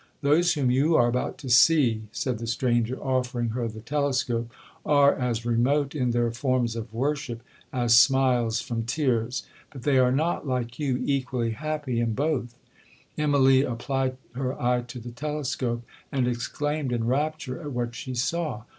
'—'Those whom you are about to see,' said the stranger, offering her the telescope, 'are as remote in their forms of worship as smiles from tears; but they are not, like you, equally happy in both.' Immalee applied her eye to the telescope, and exclaimed in rapture at what she saw.